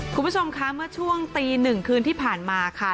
คุณผู้ชมคะเมื่อช่วงตีหนึ่งคืนที่ผ่านมาค่ะ